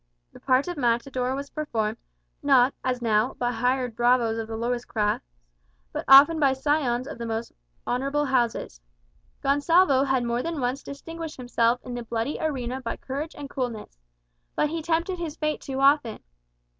The part of matador was performed, not, as now, by hired bravos of the lowest class, but often by scions of the most honourable houses. Gonsalvo had more than once distinguished himself in the bloody arena by courage and coolness. But he tempted his fate too often.